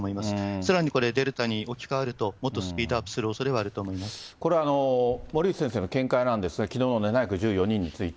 さらにこれ、デルタに置き換わるともっとスピードアップするおそこれ、森内先生の見解なんですが、きのうの７１４人について。